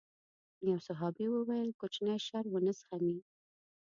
يو صحابي وويل کوچنی شر ونه زغمي.